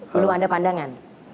belum ada pandangan